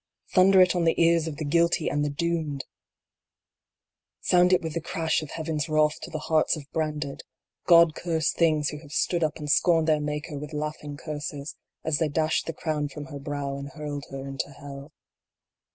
Thunder it on the ears of the guilty and the doomed ! Sound it with the crash of Heaven s wrath to the hearts of branded God cursed things who have stood up and scorned their Maker with laughing curses, as they dashed the crown from her brow, and hurled her into Hell.